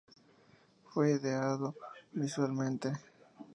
Fue ideado visualmente...